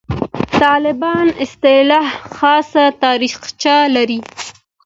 «طالبان» اصطلاح خاصه تاریخچه لري.